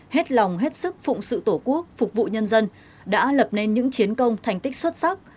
hết lòng hết sức phụng sự tổ quốc phục vụ nhân dân đã lập nên những chiến công thành tích xuất sắc